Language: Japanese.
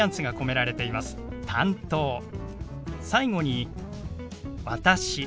最後に「私」。